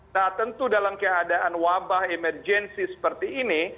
nah tentu dalam keadaan wabah emergensi seperti ini